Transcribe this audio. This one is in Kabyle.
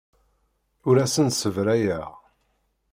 Ur asen-ssebrayeɣ.